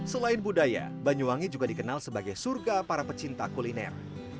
selain budaya banyuwangi juga dikenal sebagai surga para pecinta kuliner